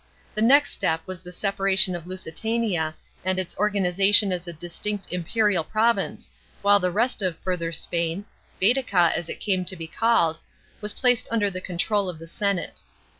The next step was the separation of Lusitania, and its organisation * See below, Chap. IX. 27 B.C. 14 A.D. SPAIN. 87 as a distinct imperial province, while the rest of Farther Spain,— Beetica as it came to he called — was placed under the control of the senate.